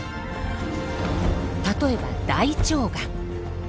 例えば大腸がん。